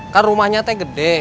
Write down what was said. kan rumahnya teh gede